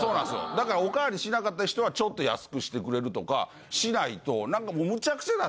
だからおかわりしなかった人はちょっと安くしてくれるとかしないと何か。